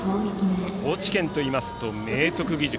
高知県といいますと明徳義塾